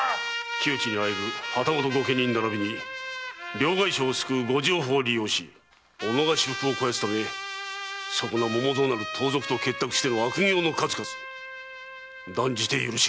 窮地に喘ぐ旗本御家人ならびに両替商を救うご定法を利用し己が私腹を肥やすためそこな百蔵なる盗賊と結託しての悪行の数々断じて許しがたい。